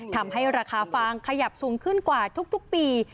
ทำให้ราคาฟางขยับสูงขึ้นกว่าทุกปี